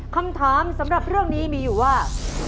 คำถามสำหรับเรื่องนี้มีอยู่ว่า